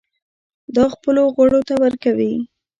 دا خپلو غړو ته ورکوي.